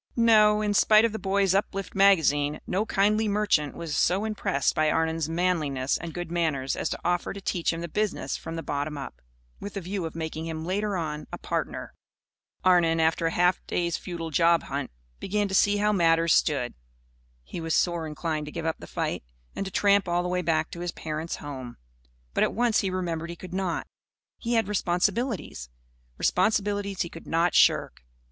No, in spite of The Boys' Uplift Magazine, no kindly merchant was so impressed by Arnon's manliness and good manners as to offer to teach him the business from the bottom up, with a view of making him, later on, a partner. Arnon, after a half day's futile job hunt, began to see how matters stood. He was sore inclined to give up the fight and to tramp all the way back to his parents' home. But at once he remembered he could not. He had responsibilities, responsibilities he could not shirk.